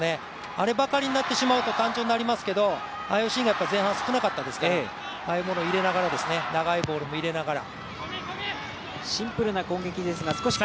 あればかりになってしまうと単調になりますけどああいうシーンがやっぱり前半少なかったですから、ああいうものも入れながら、長いボールも入れながら。